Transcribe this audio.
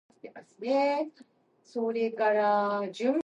They have had great popularity.